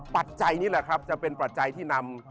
ปัจจัยนี้แหละครับจะเป็นปัจจัยที่นำ